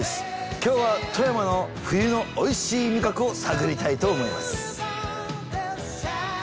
今日は富山の冬のおいしい味覚を探りたいと思います。